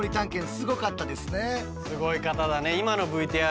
すごい方だね。